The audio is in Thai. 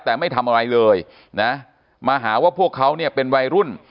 แต่ไม่ทำอะไรเลยนะมาหาว่าพวกเขาเนี่ยเป็นวัยรุ่น